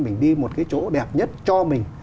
mình đi một cái chỗ đẹp nhất cho mình